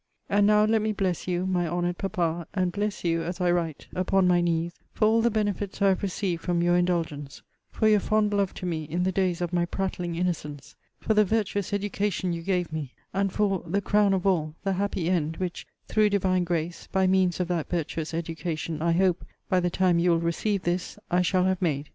And now let me bless you, my honoured Papa, and bless you, as I write, upon my knees, for all the benefits I have received from your indulgence: for your fond love to me in the days of my prattling innocence: for the virtuous education you gave me: and for, the crown of all, the happy end, which, through divine grace, by means of that virtuous education, I hope, by the time you will receive this, I shall have made.